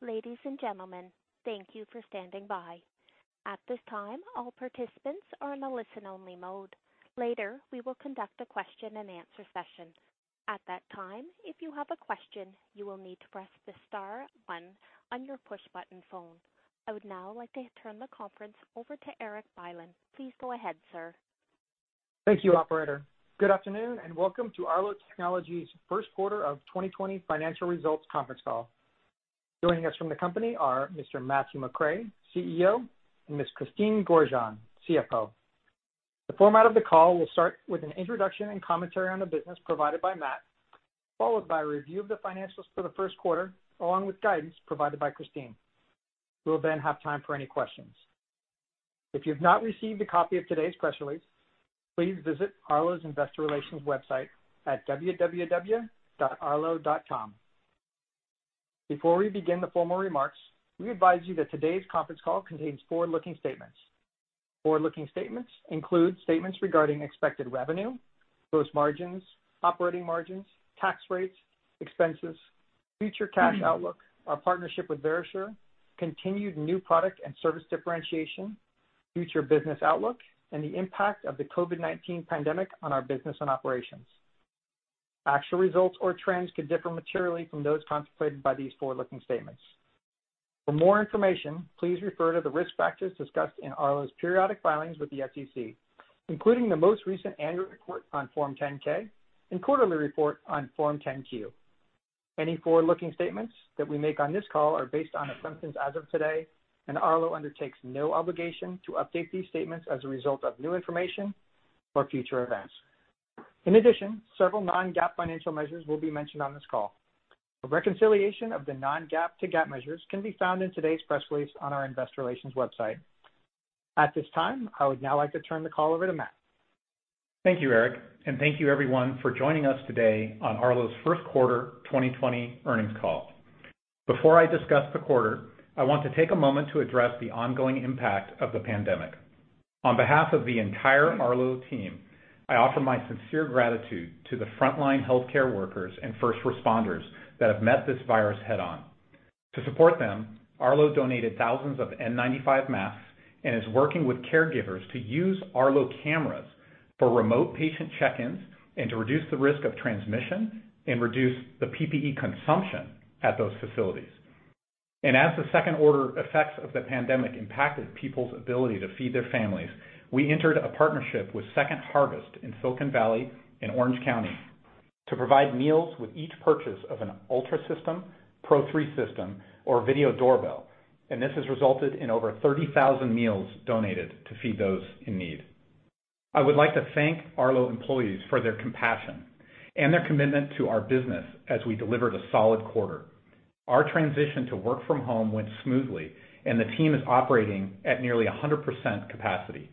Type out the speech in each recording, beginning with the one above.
Ladies and gentlemen, thank you for standing by. At this time, all participants are in a listen-only mode. Later, we will conduct a question and answer session. At that time, if you have a question, you will need to press the star one on your push button phone. I would now like to turn the conference over to Erik Bylin. Please go ahead, sir. Thank you, operator. Good afternoon, and Welcome to Arlo Technologies' first quarter of 2020 financial results conference call. Joining us from the company are Mr. Matthew McRae, CEO, and Ms. Christine Gorjanc, CFO. The format of the call will start with an introduction and commentary on the business provided by Matt, followed by a review of the financials for the first quarter, along with guidance provided by Christine. We will have time for any questions. If you've not received a copy of today's press release, please visit Arlo's Investor Relations website at www.arlo.com. Before we begin the formal remarks, we advise you that today's conference call contains forward-looking statements. Forward-looking statements include statements regarding expected revenue, gross margins, operating margins, tax rates, expenses, future cash outlook, our partnership with Verisure, continued new product and service differentiation, future business outlook, and the impact of the COVID-19 pandemic on our business and operations. Actual results or trends could differ materially from those contemplated by these forward-looking statements. For more information, please refer to the risk factors discussed in Arlo's periodic filings with the SEC, including the most recent annual report on Form 10-K and quarterly report on Form 10-Q. Any forward-looking statements that we make on this call are based on assumptions as of today, and Arlo undertakes no obligation to update these statements as a result of new information or future events. In addition, several non-GAAP financial measures will be mentioned on this call. A reconciliation of the non-GAAP to GAAP measures can be found in today's press release on our Investor Relations website. At this time, I would now like to turn the call over to Matt. Thank you, Erik, and thank you, everyone, for joining us today on Arlo's first quarter 2020 earnings call. Before I discuss the quarter, I want to take a moment to address the ongoing impact of the pandemic. On behalf of the entire Arlo team, I offer my sincere gratitude to the frontline healthcare workers and first responders that have met this virus head-on. To support them, Arlo donated thousands of N95 masks and is working with caregivers to use Arlo cameras for remote patient check-ins and to reduce the risk of transmission and reduce the PPE consumption at those facilities. As the second-order effects of the pandemic impacted people's ability to feed their families, we entered a partnership with Second Harvest of Silicon Valley and Orange County to provide meals with each purchase of an Ultra system, Pro 3 system, or Video Doorbell, and this has resulted in over 30,000 meals donated to feed those in need. I would like to thank Arlo employees for their compassion and their commitment to our business as we delivered a solid quarter. Our transition to work from home went smoothly, and the team is operating at nearly 100% capacity.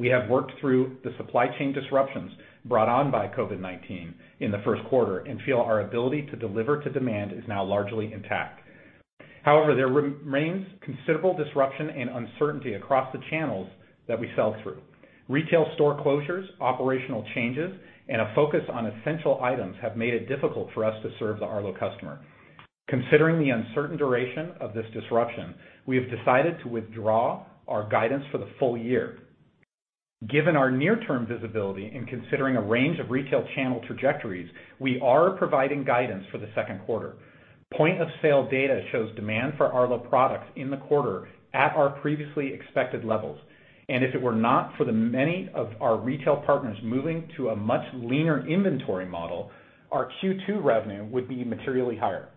We have worked through the supply chain disruptions brought on by COVID-19 in the first quarter and feel our ability to deliver to demand is now largely intact. However, there remains considerable disruption and uncertainty across the channels that we sell through. Retail store closures, operational changes, and a focus on essential items have made it difficult for us to serve the Arlo customer. Considering the uncertain duration of this disruption, we have decided to withdraw our guidance for the full year. Given our near-term visibility in considering a range of retail channel trajectories, we are providing guidance for the second quarter. Point-of-sale data shows demand for Arlo products in the quarter at our previously expected levels, and if it were not for the many of our retail partners moving to a much leaner inventory model, our Q2 revenue would be materially higher.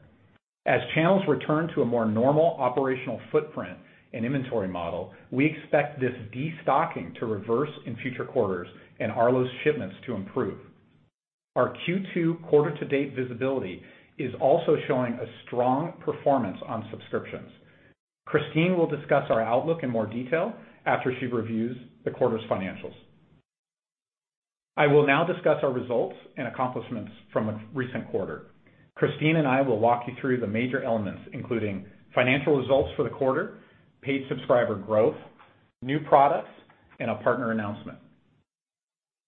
As channels return to a more normal operational footprint and inventory model, we expect this de-stocking to reverse in future quarters and Arlo's shipments to improve. Our Q2 quarter to date visibility is also showing a strong performance on subscriptions. Christine will discuss our outlook in more detail after she reviews the quarter's financials. I will now discuss our results and accomplishments from a recent quarter. Christine and I will walk you through the major elements, including financial results for the quarter, paid subscriber growth, new products, and a partner announcement.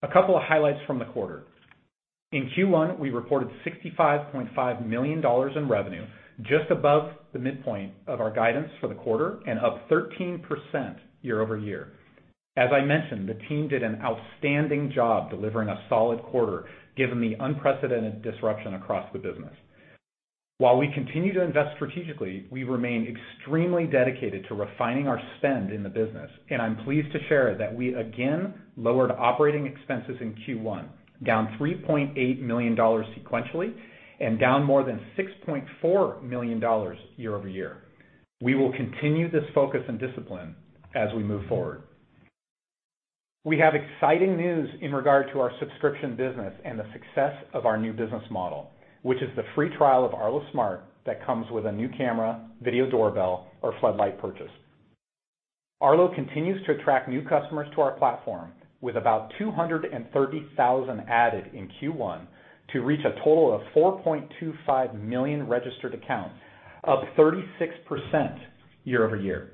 A couple of highlights from the quarter. In Q1, we reported $65.5 million in revenue, just above the midpoint of our guidance for the quarter and up 13% year-over-year. As I mentioned, the team did an outstanding job delivering a solid quarter, given the unprecedented disruption across the business. While we continue to invest strategically, we remain extremely dedicated to refining our spend in the business, and I'm pleased to share that we again lowered operating expenses in Q1, down $3.8 million sequentially and down more than $6.4 million year-over-year. We will continue this focus and discipline as we move forward. We have exciting news in regard to our subscription business and the success of our new business model, which is the free trial of Arlo Smart that comes with a new camera, Video Doorbell, or Floodlight purchase. Arlo continues to attract new customers to our platform, with about 230,000 added in Q1 to reach a total of 4.25 million registered accounts, up 36% year-over-year.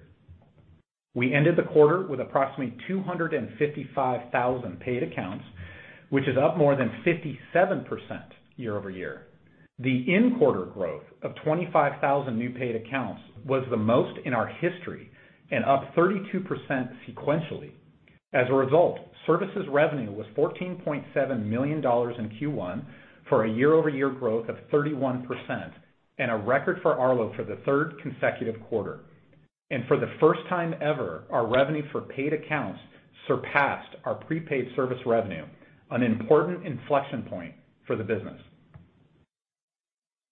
We ended the quarter with approximately 255,000 paid accounts, which is up more than 57% year-over-year. The in-quarter growth of 25,000 new paid accounts was the most in our history and up 32% sequentially. As a result, services revenue was $14.7 million in Q1 for a year-over-year growth of 31% and a record for Arlo for the third consecutive quarter. For the first time ever, our revenue for paid accounts surpassed our prepaid service revenue, an important inflection point for the business.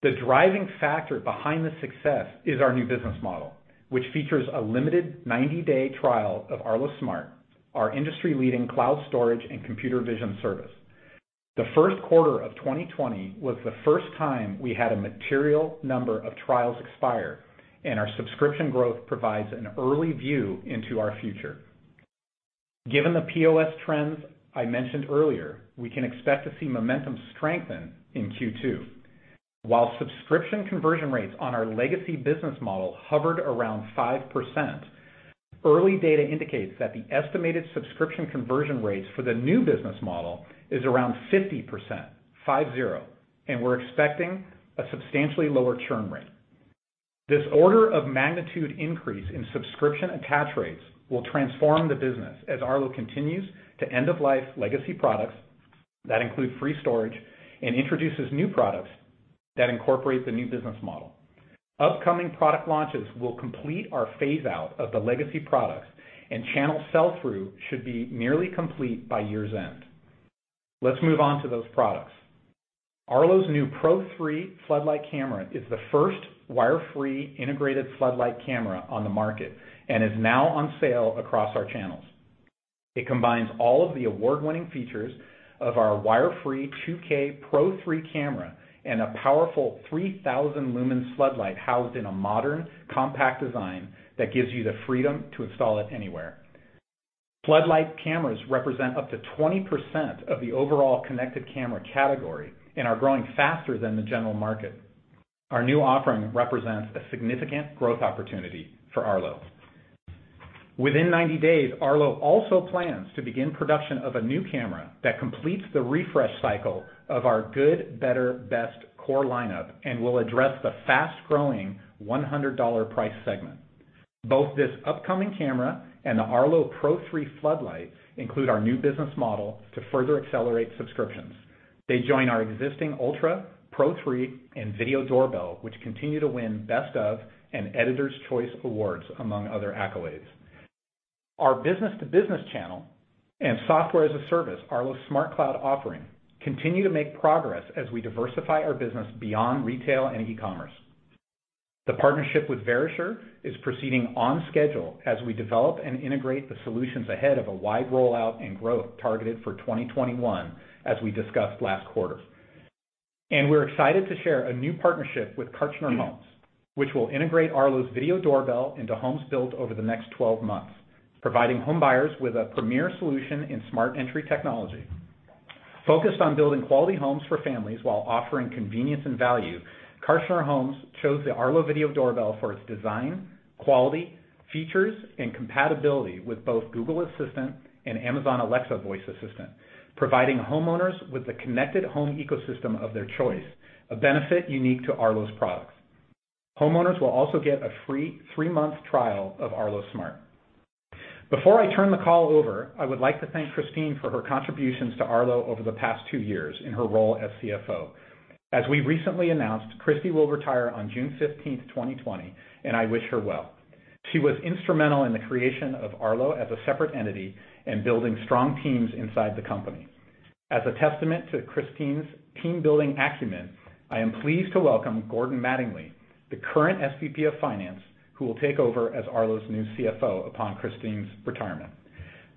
The driving factor behind this success is our new business model, which features a limited 90-day trial of Arlo Smart, our industry-leading cloud storage and computer vision service. The first quarter of 2020 was the first time we had a material number of trials expire, and our subscription growth provides an early view into our future. Given the POS trends I mentioned earlier, we can expect to see momentum strengthen in Q2. While subscription conversion rates on our legacy business model hovered around 5%, early data indicates that the estimated subscription conversion rates for the new business model is around 50%, five zero, and we're expecting a substantially lower churn rate. This order of magnitude increase in subscription attach rates will transform the business as Arlo continues to end of life legacy products that include free storage and introduces new products that incorporate the new business model. Upcoming product launches will complete our phase out of the legacy products and channel sell through should be nearly complete by year's end. Let's move on to those products. Arlo's new Arlo Pro 3 Floodlight Camera is the first wire-free integrated floodlight camera on the market and is now on sale across our channels. It combines all of the award-winning features of our wire-free 2K Arlo Pro 3 camera and a powerful 3,000 lumen floodlight housed in a modern, compact design that gives you the freedom to install it anywhere. Floodlight cameras represent up to 20% of the overall connected camera category and are growing faster than the general market. Our new offering represents a significant growth opportunity for Arlo. Within 90 days, Arlo also plans to begin production of a new camera that completes the refresh cycle of our good, better, best core lineup and will address the fast-growing $100 price segment. Both this upcoming camera and the Arlo Pro 3 Floodlight include our new business model to further accelerate subscriptions. They join our existing Ultra, Pro 3, and Video Doorbell, which continue to win Best Of and Editors Choice awards, among other accolades. Our business-to-business channel and software-as-a-service Arlo SmartCloud offering continue to make progress as we diversify our business beyond retail and e-commerce. The partnership with Verisure is proceeding on schedule as we develop and integrate the solutions ahead of a wide rollout and growth targeted for 2021, as we discussed last quarter. We're excited to share a new partnership with Kartchner Homes, which will integrate Arlo Video Doorbell into homes built over the next 12 months, providing homebuyers with a premier solution in smart entry technology. Focused on building quality homes for families while offering convenience and value, Kartchner Homes chose the Arlo Video Doorbell for its design, quality, features, and compatibility with both Google Assistant and Amazon Alexa voice assistant, providing homeowners with the connected home ecosystem of their choice, a benefit unique to Arlo's products. Homeowners will also get a free three-month trial of Arlo Smart. Before I turn the call over, I would like to thank Christine for her contributions to Arlo over the past two years in her role as CFO. As we recently announced, Christine will retire on June 15th, 2020, and I wish her well. She was instrumental in the creation of Arlo as a separate entity and building strong teams inside the company. As a testament to Christine's team-building acumen, I am pleased to welcome Gordon Mattingly, the current SVP of Finance, who will take over as Arlo's new CFO upon Christine's retirement.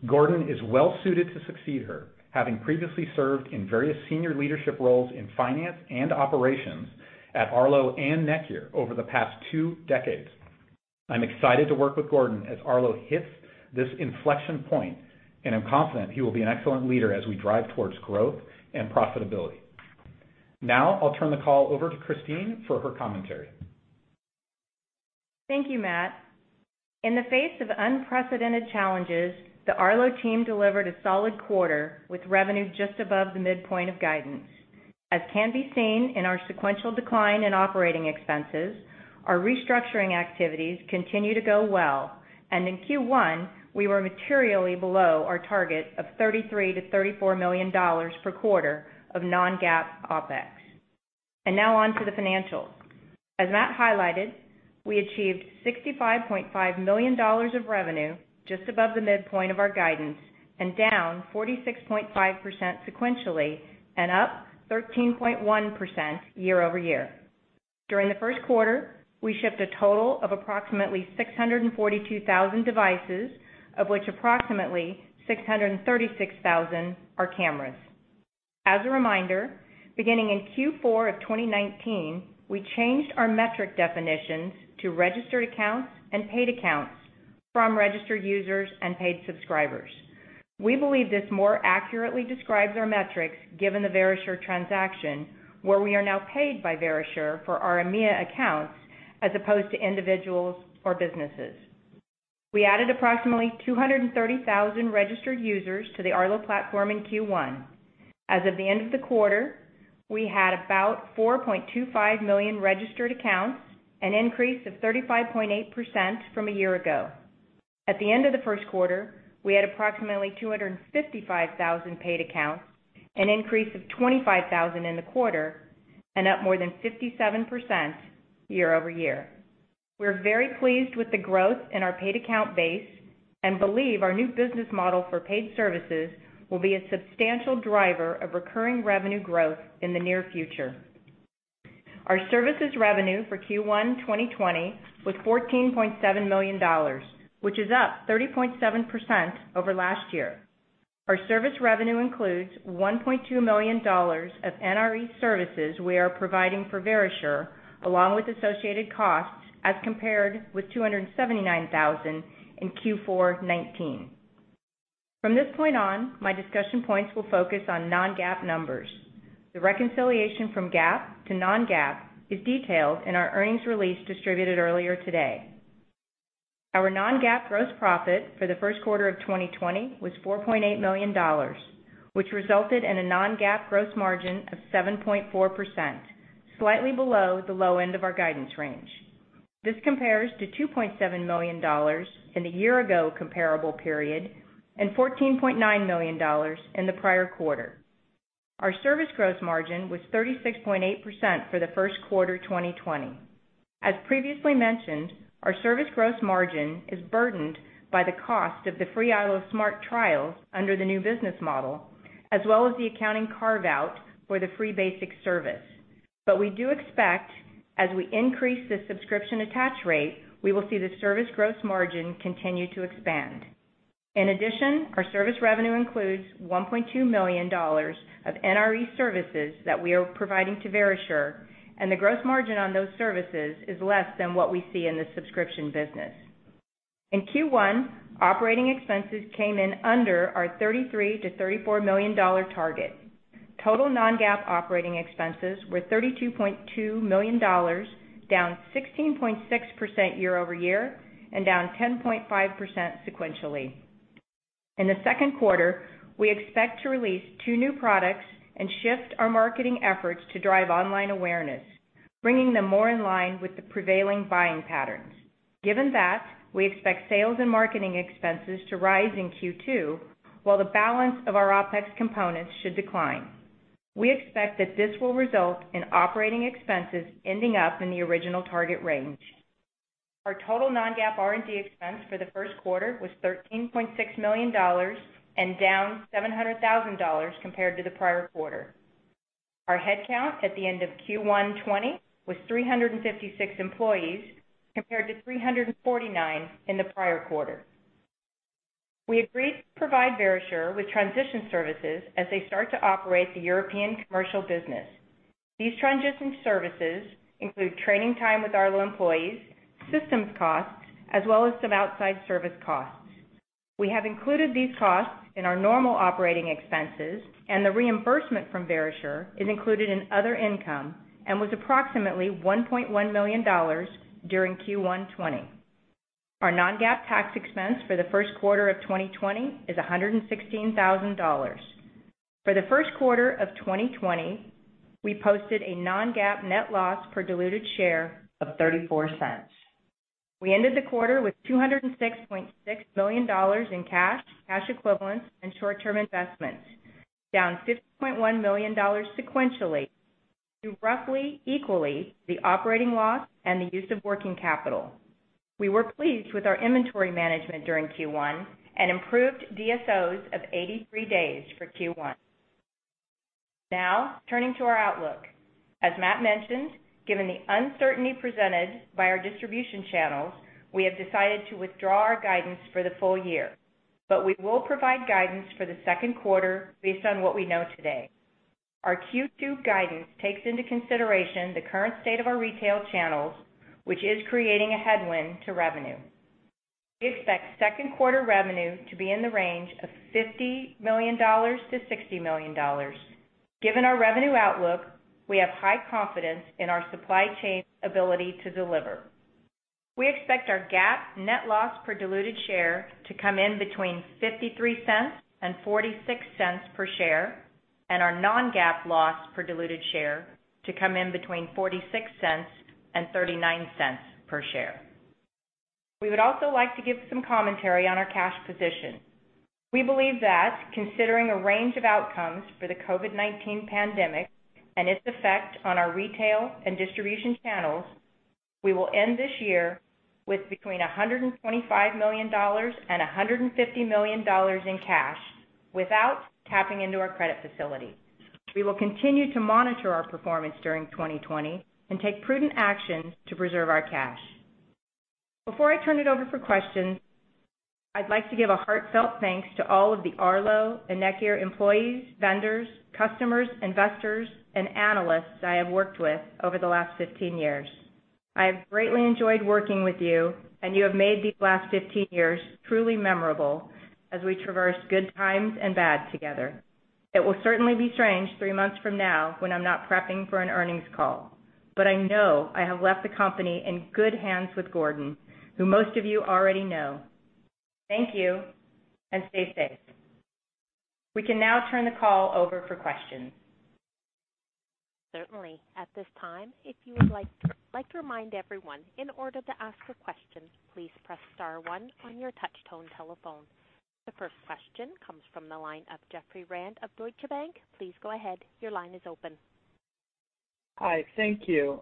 Gordon is well-suited to succeed her, having previously served in various senior leadership roles in Finance and operations at Arlo and Netgear over the past two decades. I'm excited to work with Gordon as Arlo hits this inflection point, and I'm confident he will be an excellent leader as we drive towards growth and profitability. Now, I'll turn the call over to Christine for her commentary. Thank you, Matt. In the face of unprecedented challenges, the Arlo team delivered a solid quarter with revenue just above the midpoint of guidance. As can be seen in our sequential decline in operating expenses, our restructuring activities continue to go well, and in Q1, we were materially below our target of $33 million-$34 million per quarter of non-GAAP OpEx. Now on to the financials. As Matt highlighted, we achieved $65.5 million of revenue just above the midpoint of our guidance and down 46.5% sequentially and up 13.1% year-over-year. During the first quarter, we shipped a total of approximately 642,000 devices, of which approximately 636,000 are cameras. As a reminder, beginning in Q4 2019, we changed our metric definitions to registered accounts and paid accounts from registered users and paid subscribers. We believe this more accurately describes our metrics given the Verisure transaction, where we are now paid by Verisure for our EMEA accounts as opposed to individuals or businesses. We added approximately 230,000 registered users to the Arlo platform in Q1. As of the end of the quarter, we had about 4.25 million registered accounts, an increase of 35.8% from a year ago. At the end of the first quarter, we had approximately 255,000 paid accounts, an increase of 25,000 in the quarter, and up more than 57% year-over-year. We are very pleased with the growth in our paid account base and believe our new business model for paid services will be a substantial driver of recurring revenue growth in the near future. Our services revenue for Q1 2020 was $14.7 million, which is up 30.7% over last year. Our service revenue includes $1.2 million of NRE services we are providing for Verisure, along with associated costs, as compared with $279,000 in Q4 '19. From this point on, my discussion points will focus on non-GAAP numbers. The reconciliation from GAAP to non-GAAP is detailed in our earnings release distributed earlier today. Our non-GAAP gross profit for the first quarter of 2020 was $4.8 million, which resulted in a non-GAAP gross margin of 7.4%, slightly below the low end of our guidance range. This compares to $2.7 million in the year ago comparable period and $14.9 million in the prior quarter. Our service gross margin was 36.8% for the first quarter 2020. As previously mentioned, our service gross margin is burdened by the cost of the free Arlo Smart trials under the new business model, as well as the accounting carve-out for the free basic service. We do expect, as we increase the subscription attach rate, we will see the service gross margin continue to expand. In addition, our service revenue includes $1.2 million of NRE services that we are providing to Verisure, and the gross margin on those services is less than what we see in the subscription business. In Q1, operating expenses came in under our $33 million to $34 million target. Total non-GAAP operating expenses were $32.2 million, down 16.6% year-over-year and down 10.5% sequentially. In the second quarter, we expect to release two new products and shift our marketing efforts to drive online awareness, bringing them more in line with the prevailing buying patterns. Given that, we expect sales and marketing expenses to rise in Q2, while the balance of our OpEx components should decline. We expect that this will result in operating expenses ending up in the original target range. Our total non-GAAP R&D expense for the first quarter was $13.6 million and down $700,000 compared to the prior quarter. Our headcount at the end of Q1 2020 was 356 employees, compared to 349 in the prior quarter. We agreed to provide Verisure with transition services as they start to operate the European commercial business. These transition services include training time with Arlo employees, systems costs, as well as some outside service costs. We have included these costs in our normal operating expenses, and the reimbursement from Verisure is included in other income and was approximately $1.1 million during Q1 2020. Our non-GAAP tax expense for the first quarter of 2020 is $116,000. For the first quarter of 2020, we posted a non-GAAP net loss per diluted share of $0.34. We ended the quarter with $206.6 million in cash equivalents, and short-term investments, down $50.1 million sequentially, due roughly equally the operating loss and the use of working capital. We were pleased with our inventory management during Q1 and improved DSO of 83 days for Q1. Turning to our outlook. As Matt mentioned, given the uncertainty presented by our distribution channels, we have decided to withdraw our guidance for the full year. We will provide guidance for the second quarter based on what we know today. Our Q2 guidance takes into consideration the current state of our retail channels, which is creating a headwind to revenue. We expect second quarter revenue to be in the range of $50 million-$60 million. Given our revenue outlook, we have high confidence in our supply chain's ability to deliver. We expect our GAAP net loss per diluted share to come in between $0.53 and $0.46 per share, and our non-GAAP loss per diluted share to come in between $0.46 and $0.39 per share. We would also like to give some commentary on our cash position. We believe that considering a range of outcomes for the COVID-19 pandemic and its effect on our retail and distribution channels, we will end this year with between $125 million and $150 million in cash without tapping into our credit facility. We will continue to monitor our performance during 2020 and take prudent action to preserve our cash. Before I turn it over for questions, I'd like to give a heartfelt thanks to all of the Arlo and Netgear employees, vendors, customers, investors, and analysts I have worked with over the last 15 years. I have greatly enjoyed working with you, and you have made these last 15 years truly memorable as we traversed good times and bad together. It will certainly be strange three months from now when I'm not prepping for an earnings call. I know I have left the company in good hands with Gordon, who most of you already know. Thank you, and stay safe. We can now turn the call over for questions. Certainly. At this time, I'd like to remind everyone, in order to ask a question, please press star one on your touchtone telephone. The first question comes from the line of Jeffrey Rand of Deutsche Bank. Please go ahead. Your line is open. Hi, thank you.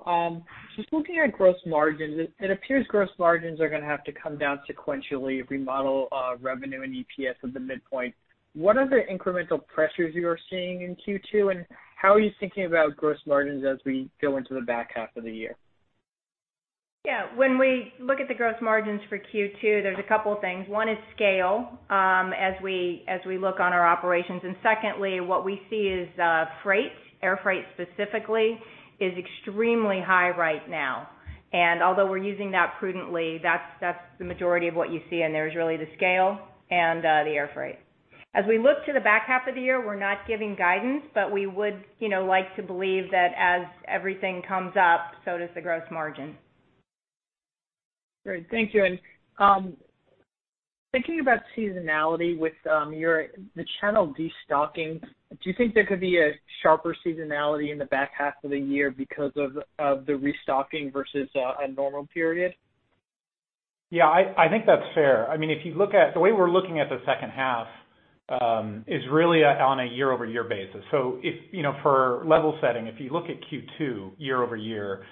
Just looking at gross margins, it appears gross margins are going to have to come down sequentially if we model revenue and EPS at the midpoint. What are the incremental pressures you are seeing in Q2, and how are you thinking about gross margins as we go into the back half of the year? Yeah. When we look at the gross margins for Q2, there's a couple things. One is scale, as we look on our operations. Secondly, what we see is freight, air freight specifically, is extremely high right now. Although we're using that prudently, that's the majority of what you see in there is really the scale and the air freight. As we look to the back half of the year, we're not giving guidance, but we would like to believe that as everything comes up, so does the gross margin. Great. Thank you. Thinking about seasonality with the channel destocking, do you think there could be a sharper seasonality in the back half of the year because of the restocking versus a normal period? Yeah, I think that's fair. The way we're looking at the second half, is really on a year-over-year basis. For level setting, if you look at Q2 year-over-year,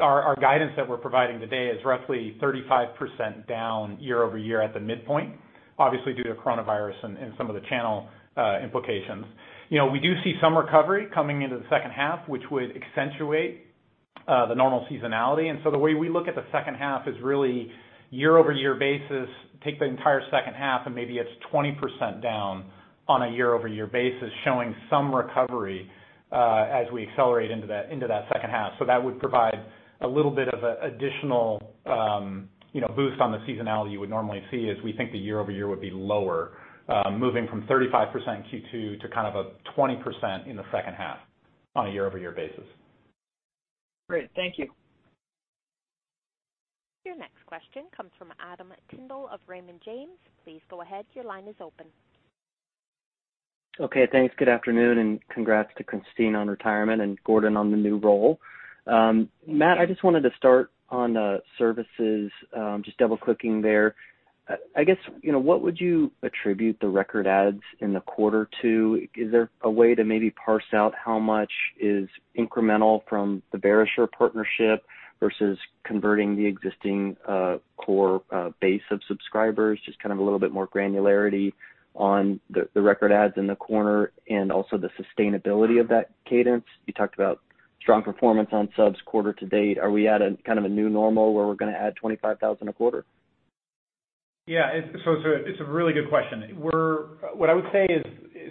our guidance that we're providing today is roughly 35% down year-over-year at the midpoint, obviously due to coronavirus and some of the channel implications. We do see some recovery coming into the second half, which would accentuate the normal seasonality. The way we look at the second half is really year-over-year basis, take the entire second half, and maybe it's 20% down on a year-over-year basis, showing some recovery, as we accelerate into that second half. That would provide a little bit of additional boost on the seasonality you would normally see as we think the year-over-year would be lower, moving from 35% Q2 to kind of a 20% in the second half on a year-over-year basis. Great. Thank you. Your next question comes from Adam Tindle of Raymond James. Please go ahead. Your line is open. Okay, thanks. Good afternoon, and congrats to Christine on retirement and Gordon on the new role. Matt, I just wanted to start on services, just double-clicking there. I guess, what would you attribute the record adds in the quarter to? Is there a way to maybe parse out how much is incremental from the Verisure partnership versus converting the existing core base of subscribers? Just kind of a little bit more granularity on the record adds in the quarter and also the sustainability of that cadence. You talked about strong performance on subs quarter to date. Are we at a kind of a new normal where we're going to add 25,000 a quarter? Yeah. It's a really good question. What I would say is,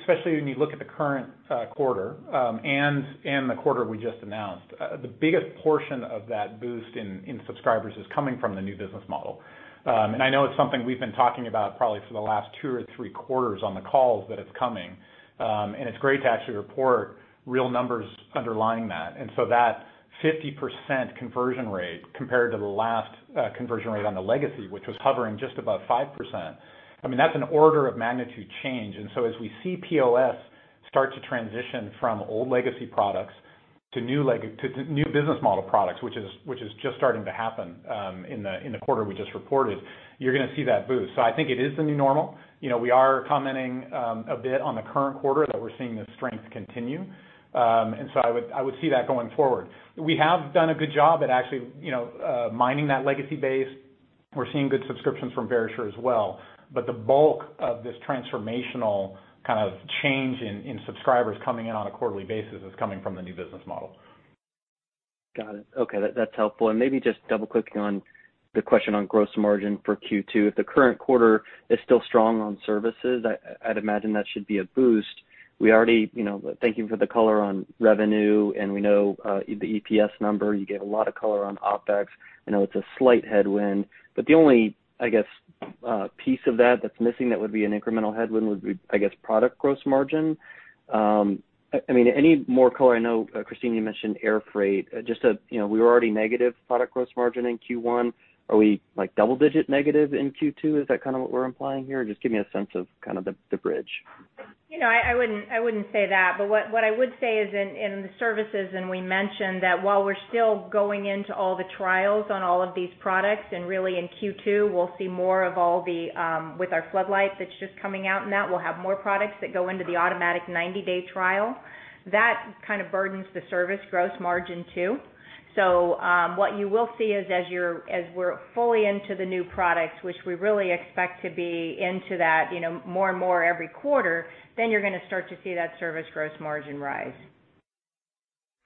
especially when you look at the current quarter, and the quarter we just announced, the biggest portion of that boost in subscribers is coming from the new business model. I know it's something we've been talking about probably for the last two or three quarters on the calls that it's coming. It's great to actually report real numbers underlying that. That 50% conversion rate compared to the last conversion rate on the legacy, which was hovering just above 5%, that's an order of magnitude change. As we see POS start to transition from old legacy products to new business model products, which is just starting to happen in the quarter we just reported, you're going to see that boost. I think it is the new normal. We are commenting a bit on the current quarter that we're seeing the strength continue. I would see that going forward. We have done a good job at actually mining that legacy base. We're seeing good subscriptions from Verisure as well. The bulk of this transformational kind of change in subscribers coming in on a quarterly basis is coming from the new business model. Got it. Okay. That's helpful. Maybe just double-clicking on the question on gross margin for Q2. If the current quarter is still strong on services, I'd imagine that should be a boost. Thank you for the color on revenue, we know, the EPS number. You gave a lot of color on OpEx. I know it's a slight headwind, the only piece of that that's missing that would be an incremental headwind would be product gross margin. Any more color? I know, Christine, you mentioned air freight. We were already negative product gross margin in Q1. Are we double-digit negative in Q2? Is that kind of what we're implying here? Just give me a sense of the bridge. I wouldn't say that. What I would say is in the services, and we mentioned that while we're still going into all the trials on all of these products, and really in Q2, we'll see more, with our Floodlight that's just coming out and that we'll have more products that go into the automatic 90-day trial. That kind of burdens the service gross margin, too. What you will see is as we're fully into the new products, which we really expect to be into that more and more every quarter, you're going to start to see that service gross margin rise.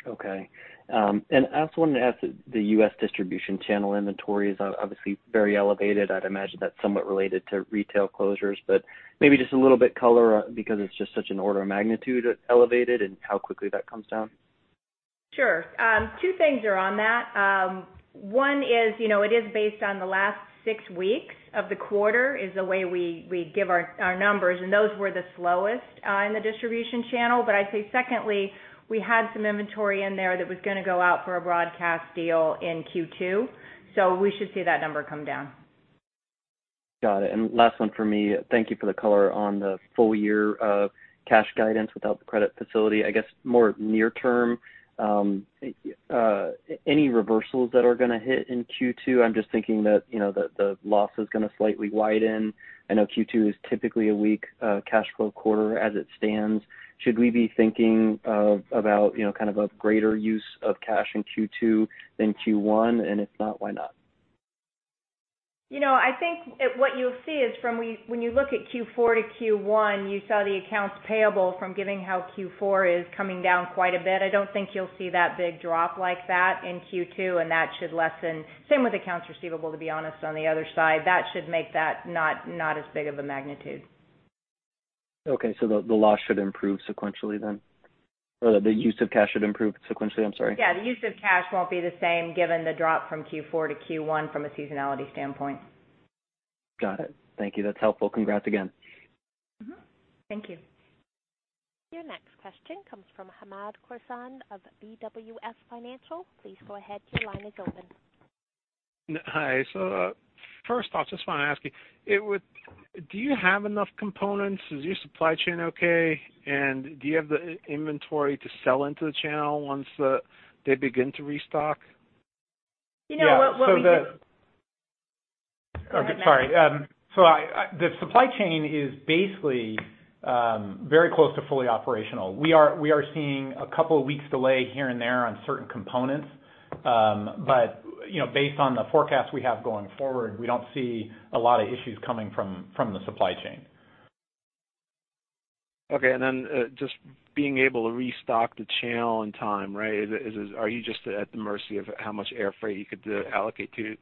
Okay. I also wanted to ask, the U.S. distribution channel inventory is obviously very elevated. I'd imagine that's somewhat related to retail closures. Maybe just a little bit of color, because it's just such an order of magnitude elevated and how quickly that comes down. Sure. Two things are on that. One is, it is based on the last six weeks of the quarter, is the way we give our numbers, and those were the slowest in the distribution channel. I'd say, secondly, we had some inventory in there that was going to go out for a broadcast deal in Q2, so we should see that number come down. Got it. Last one from me. Thank you for the color on the full year of cash guidance without the credit facility. I guess more near term, any reversals that are going to hit in Q2? I'm just thinking that the loss is going to slightly widen. I know Q2 is typically a weak cash flow quarter as it stands. Should we be thinking of about kind of a greater use of cash in Q2 than Q1? If not, why not? I think what you'll see is from when you look at Q4 to Q1, you saw the accounts payable from giving how Q4 is coming down quite a bit. I don't think you'll see that big drop like that in Q2. That should lessen. Same with accounts receivable, to be honest, on the other side. That should make that not as big of a magnitude. Okay. The loss should improve sequentially then? The use of cash should improve sequentially, I'm sorry. Yeah, the use of cash won't be the same given the drop from Q4 to Q1 from a seasonality standpoint. Got it. Thank you. That's helpful. Congrats again. Thank you. Your next question comes from Hamed Khorsand of BWS Financial. Please go ahead. Your line is open. Hi. First off, just want to ask you, do you have enough components? Is your supply chain okay? Do you have the inventory to sell into the channel once they begin to restock? What we do. Yeah. Go ahead, Matt. Sorry. The supply chain is basically very close to fully operational. We are seeing a couple of weeks delay here and there on certain components. Based on the forecast we have going forward, we don't see a lot of issues coming from the supply chain. Okay. Just being able to restock the channel in time, right? Are you just at the mercy of how much air freight you could allocate to?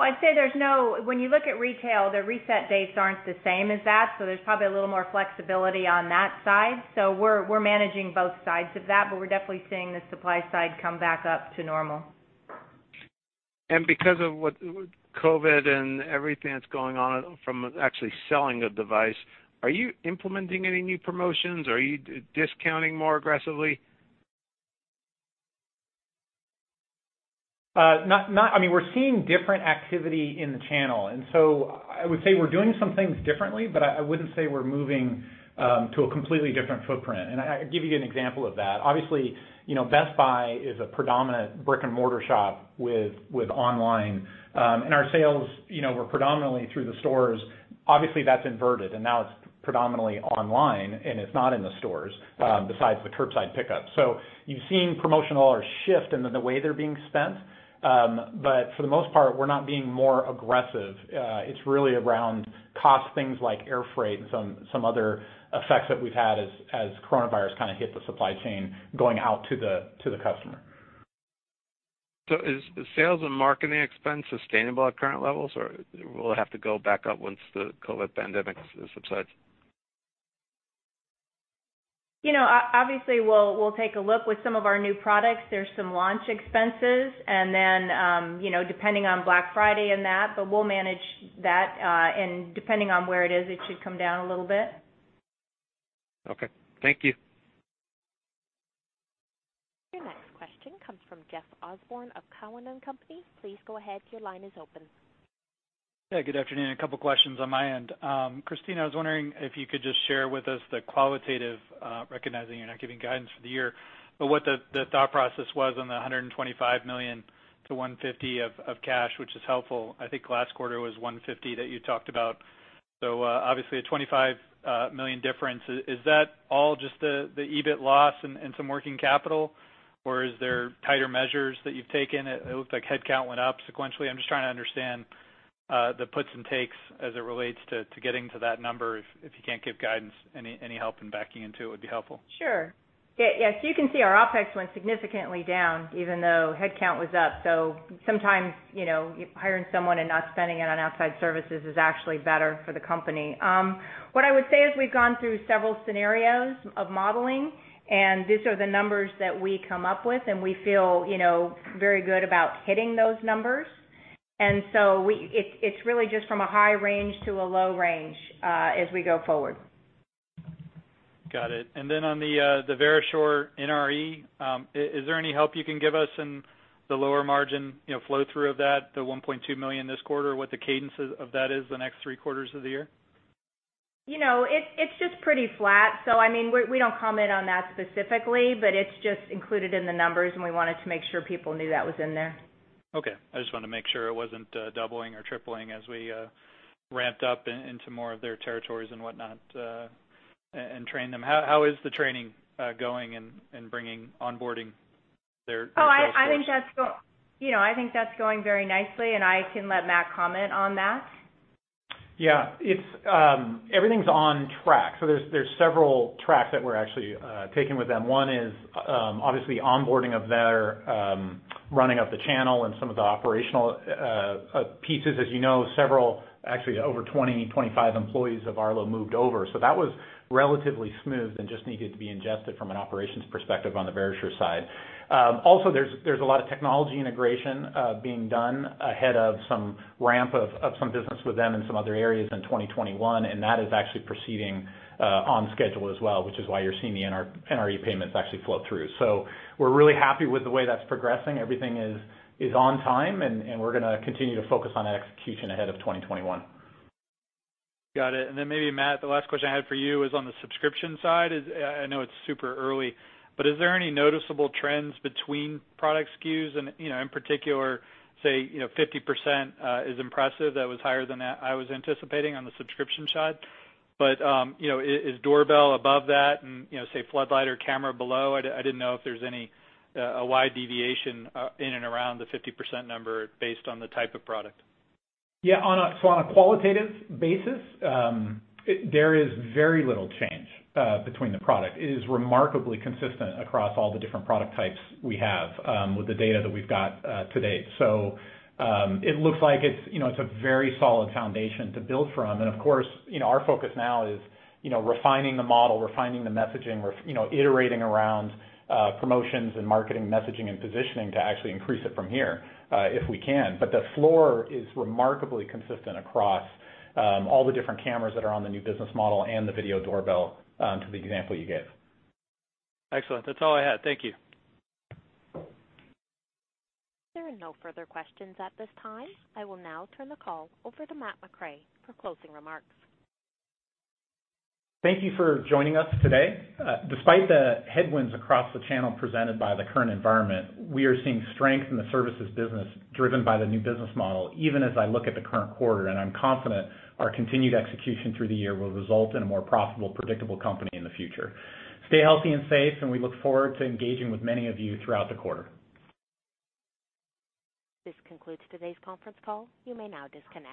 Well, I'd say when you look at retail, the reset dates aren't the same as that, so there's probably a little more flexibility on that side. We're managing both sides of that, but we're definitely seeing the supply side come back up to normal. Because of what COVID and everything that's going on from actually selling a device, are you implementing any new promotions? Are you discounting more aggressively? We're seeing different activity in the channel. I would say we're doing some things differently, but I wouldn't say we're moving to a completely different footprint. I can give you an example of that. Obviously, Best Buy is a predominant brick-and-mortar shop with online. Our sales were predominantly through the stores. Obviously, that's inverted, and now it's predominantly online and it's not in the stores, besides the curbside pickup. You've seen promotional or shift in the way they're being spent. For the most part, we're not being more aggressive. It's really around cost, things like air freight and some other effects that we've had as coronavirus kind of hit the supply chain going out to the customer. Is sales and marketing expense sustainable at current levels, or will it have to go back up once the COVID pandemic subsides? Obviously, we'll take a look with some of our new products. There's some launch expenses, and then, depending on Black Friday and that, but we'll manage that. Depending on where it is, it should come down a little bit. Okay. Thank you. Your next question comes from Jeff Osborne of Cowen and Company. Please go ahead. Your line is open. Yeah, good afternoon. A couple questions on my end. Christine, I was wondering if you could just share with us the qualitative, recognizing you're not giving guidance for the year, but what the thought process was on the $125 million to $150 million of cash, which is helpful. I think last quarter was $150 million that you talked about. Obviously a $25 million difference. Is that all just the EBIT loss and some working capital, or is there tighter measures that you've taken? It looked like headcount went up sequentially. I'm just trying to understand the puts and takes as it relates to getting to that number. If you can't give guidance, any help in backing into it would be helpful. Sure. Yeah. You can see our OpEx went significantly down, even though headcount was up. Sometimes, hiring someone and not spending it on outside services is actually better for the company. What I would say is we've gone through several scenarios of modeling, and these are the numbers that we come up with, and we feel very good about hitting those numbers. It's really just from a high range to a low range as we go forward. Got it. On the Verisure NRE, is there any help you can give us in the lower margin flow through of that, the $1.2 million this quarter, what the cadence of that is the next three quarters of the year? It's just pretty flat. I mean, we don't comment on that specifically, but it's just included in the numbers, and we wanted to make sure people knew that was in there. Okay. I just wanted to make sure it wasn't doubling or tripling as we ramped up into more of their territories and whatnot, and train them. How is the training going in bringing onboarding their sales force? Oh, I think that's going very nicely, and I can let Matt comment on that. Yeah. Everything's on track. There's several tracks that we're actually taking with them. One is obviously onboarding of their running of the channel and some of the operational pieces. As you know, several, actually over 20, 25 employees of Arlo moved over. That was relatively smooth and just needed to be ingested from an operations perspective on the Verisure side. Also, there's a lot of technology integration being done ahead of some ramp of some business with them in some other areas in 2021, and that is actually proceeding on schedule as well, which is why you're seeing the NRE payments actually flow through. We're really happy with the way that's progressing. Everything is on time, and we're going to continue to focus on execution ahead of 2021. Got it. Then maybe, Matt, the last question I had for you is on the subscription side. I know it's super early, but is there any noticeable trends between product SKUs? In particular, say, 50% is impressive. That was higher than I was anticipating on the subscription side. Is doorbell above that and say floodlight or camera below? I didn't know if there's a wide deviation in and around the 50% number based on the type of product. Yeah. On a qualitative basis, there is very little change between the product. It is remarkably consistent across all the different product types we have with the data that we've got to date. It looks like it's a very solid foundation to build from. Of course, our focus now is refining the model, refining the messaging, iterating around promotions and marketing messaging and positioning to actually increase it from here if we can. The floor is remarkably consistent across all the different cameras that are on the new business model and the video doorbell to the example you gave. Excellent. That's all I had. Thank you. There are no further questions at this time. I will now turn the call over to Matt McRae for closing remarks. Thank you for joining us today. Despite the headwinds across the channel presented by the current environment, we are seeing strength in the services business driven by the new business model, even as I look at the current quarter. I'm confident our continued execution through the year will result in a more profitable, predictable company in the future. Stay healthy and safe, and we look forward to engaging with many of you throughout the quarter. This concludes today's conference call. You may now disconnect.